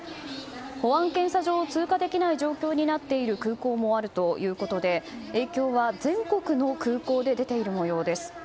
保安検査場を通過できない状況になっている空港もあるということで影響は全国の空港で出ている模様です。